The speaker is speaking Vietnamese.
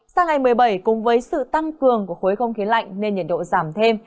sang ngày một mươi bảy cùng với sự tăng cường của khối không khí lạnh nên nhiệt độ giảm thêm